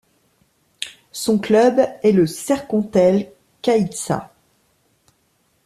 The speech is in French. Son club est le Sercontel - Caixa.